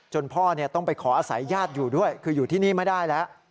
พ่อต้องไปขออาศัยญาติอยู่ด้วยคืออยู่ที่นี่ไม่ได้แล้ว